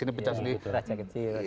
ini pecah sendiri